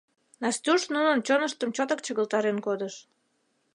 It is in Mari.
Настуш нунын чоныштым чотак чыгылтарен кодыш».